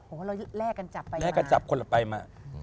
โอ้โฮเราแล่กันจับไปไหมนะแล่กันจับคนละไปมะ